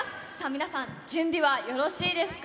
皆さん、準備はよろしいですか？